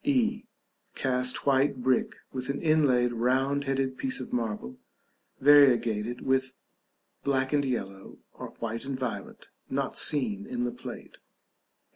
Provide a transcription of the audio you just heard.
e. Cast white brick, with an inlaid round headed piece of marble, variegated with black and yellow, or white and violet (not seen in the plate).